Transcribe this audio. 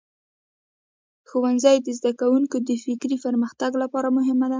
ښوونځی د زده کوونکو د فکري پرمختګ لپاره مهم دی.